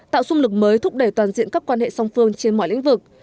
tạo xung lực mới thúc đẩy toàn diện các quan hệ song phương trên mọi lĩnh vực